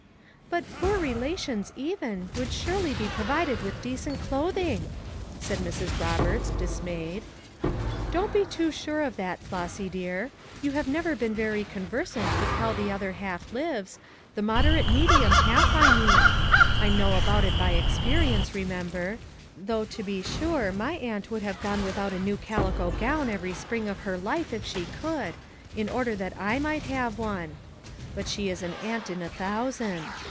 "But 'poor relations,' even, would surely be provided with decent clothing!" said Mrs. Roberts, dismayed. "Don't be too sure of that, Flossy dear. You have never been very conversant with how the other half lives, the moderate medium 164 FOUR MOTHERS AT CHAUTAUQUA half I mean ; I know about it by experience, re member; though to be sure my aunt would have gone without a new calico gown every spring of her life if she could, in order that I might have one; but she was an aunt in a thousand.